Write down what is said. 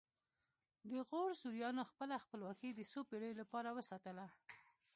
د غور سوریانو خپله خپلواکي د څو پیړیو لپاره وساتله